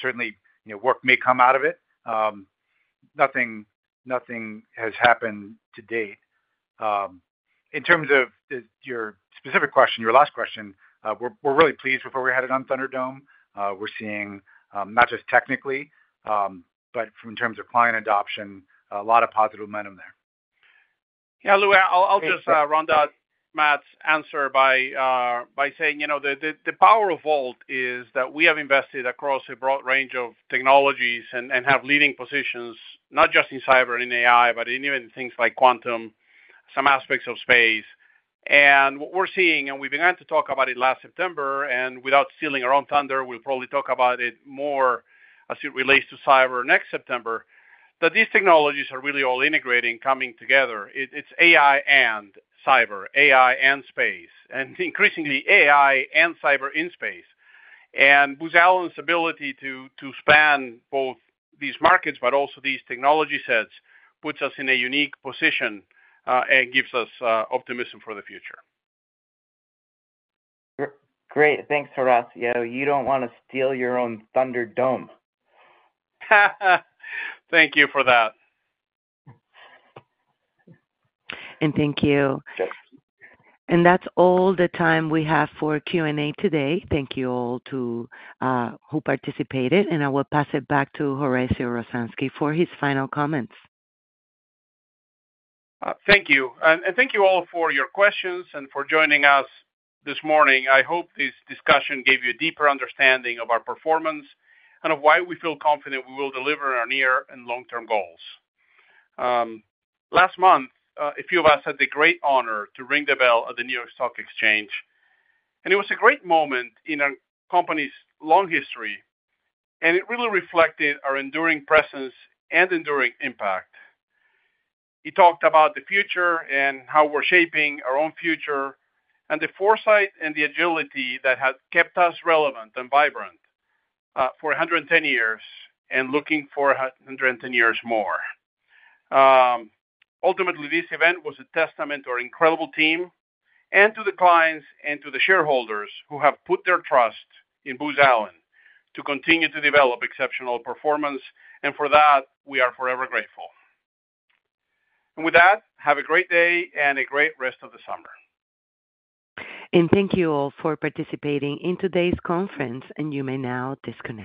Certainly, work may come out of it. Nothing has happened to date. In terms of your specific question, your last question, we're really pleased with where we're headed on Thunderdome. We're seeing not just technically, but in terms of client adoption, a lot of positive momentum there. Yeah, Louie, I'll just round out Matt's answer by saying the power of VoLT is that we have invested across a broad range of technologies and have leading positions not just in cyber and in AI, but in even things like quantum, some aspects of space. And what we're seeing, and we began to talk about it last September, and without stealing our own thunder, we'll probably talk about it more as it relates to cyber next September, that these technologies are really all integrating and coming together. It's AI and cyber, AI and space, and increasingly AI and cyber in space. And Booz Allen's ability to span both these markets, but also these technology sets, puts us in a unique position and gives us optimism for the future. Great. Thanks, Horacio. You don't want to steal your own Thunderdome. Thank you for that. Thank you. That's all the time we have for Q&A today. Thank you all who participated. I will pass it back to Horacio Rozanski for his final comments. Thank you. Thank you all for your questions and for joining us this morning. I hope this discussion gave you a deeper understanding of our performance and of why we feel confident we will deliver on our near and long-term goals. Last month, a few of us had the great honor to ring the bell at the New York Stock Exchange. It was a great moment in our company's long history, and it really reflected our enduring presence and enduring impact. It talked about the future and how we're shaping our own future and the foresight and the agility that had kept us relevant and vibrant for 110 years and looking for 110 years more. Ultimately, this event was a testament to our incredible team and to the clients and to the shareholders who have put their trust in Booz Allen to continue to develop exceptional performance. For that, we are forever grateful. With that, have a great day and a great rest of the summer. Thank you all for participating in today's conference. You may now disconnect.